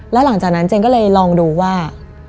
แล้วหลังจากนั้นเจนก็เลยลองดูว่า